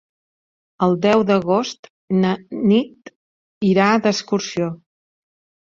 El deu d'agost na Nit irà d'excursió.